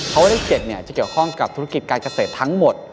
เพราะว่าเลข๗จะเกี่ยวข้องกับธุรกิจการเกษตรทั้งหมด